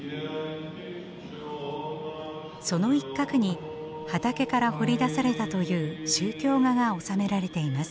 その一角に畑から掘り出されたという宗教画が納められています。